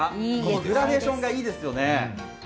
グラデーションがいいですよね。